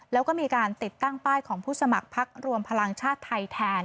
แล้วก็มีการติดตั้งป้ายของผู้สมัครพักรวมพลังชาติไทยแทน